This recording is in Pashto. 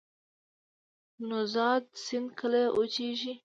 نوزاد سیند کله وچیږي؟